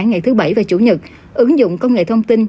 ngày thứ bảy và chủ nhật ứng dụng công nghệ thông tin